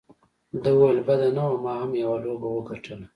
ده وویل: بده نه وه، ما هم یوه لوبه وګټله.